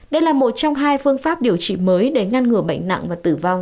đây là một trong hai phương pháp điều trị mới để ngăn ngừa bệnh nặng và tử vong